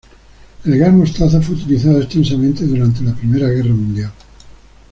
El Gas mostaza fue utilizado extensamente durante la Primera Guerra mundial.